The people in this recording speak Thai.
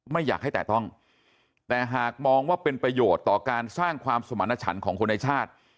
ไม่อยากให้แตะต้องแต่หากมองว่าเป็นประโยชน์ต่อการสร้างความสมรรถฉันของคนในชาติ